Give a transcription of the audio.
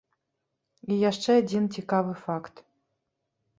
І яшчэ адзін цікавы факт.